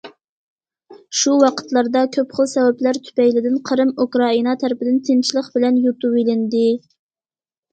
شۇ ۋاقىتلاردا كۆپ خىل سەۋەبلەر تۈپەيلىدىن قىرىم ئۇكرائىنا تەرىپىدىن تىنچلىق بىلەن يۇتۇۋېلىندى.